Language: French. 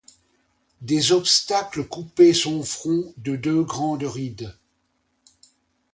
Des obstacles coupaient son front de deux grandes rides.